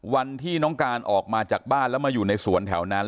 วันที่น้องการออกมาจากบ้านแล้วมาอยู่ในสวนแถวนั้น